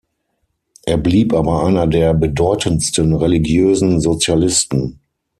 Er blieb aber einer der bedeutendsten religiösen Sozialisten.